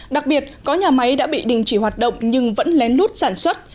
đặc biệt có nhà máy đã bị đình chỉ hoạt động nhưng vẫn lén lút sản xuất